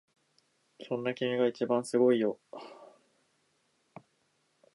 そんな君が一番すごいすごいよすごすぎる！